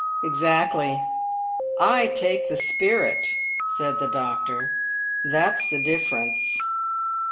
"Exactly! I take the spirit," said the doctor; "that's the difference."